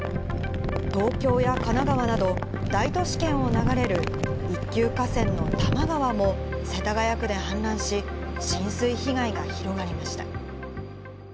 東京や神奈川など、大都市圏を流れる一級河川の多摩川も、世田谷区で氾濫し、浸水被害が広がりました。